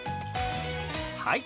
はい。